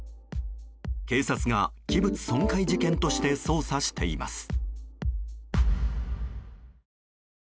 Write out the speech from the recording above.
警察が器物損壊事件として捜査しています。